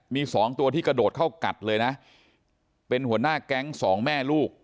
มีสองตัวที่กระโดดเข้ากัดเลยนะเป็นหัวหน้าแก๊งสองแม่ลูก